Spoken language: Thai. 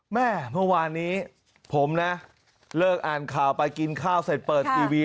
เมื่อวานนี้ผมนะเลิกอ่านข่าวไปกินข้าวเสร็จเปิดทีวี